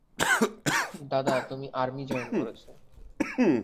দাদা, তুমি army join করেছ।